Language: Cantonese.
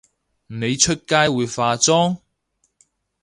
你出街會化妝？